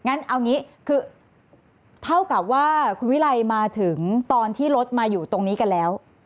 งั้นเอางี้คือเท่ากับว่าคุณวิไลมาถึงตอนที่รถมาอยู่ตรงนี้กันแล้ว